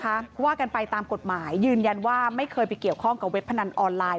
เพราะว่ากันไปตามกฎหมายยืนยันว่าไม่เคยไปเกี่ยวข้องกับเว็บพนันออนไลน